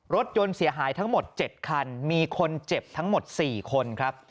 รถยนต์เสียหายทั้งหมด๗คันมีคนเจ็บทั้งหมด๔คนครับ